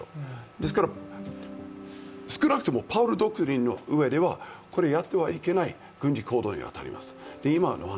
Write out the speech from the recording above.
ですから少なくともパウエルドクトリンの中ではやってはいけない事に当たります。